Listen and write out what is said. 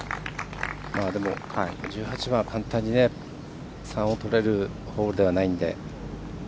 でも、１８番は簡単に３をとれるホールではないので。